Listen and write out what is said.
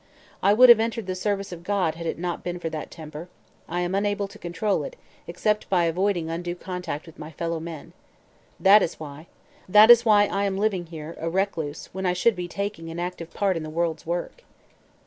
I would have entered the service of God had it not been for that temper. I am unable to control it, except by avoiding undue contact with my fellow men. That is why. I am living here, a recluse, when I should be taking an active part in the world's work."